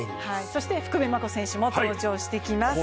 そして福部真子選手も登場してきます。